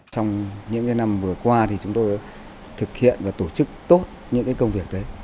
trong những năm vừa qua thì chúng tôi thực hiện và tổ chức tốt những công việc đấy